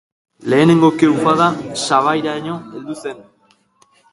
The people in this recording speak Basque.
Lehenengo ke ufada sabairaino heldu zen.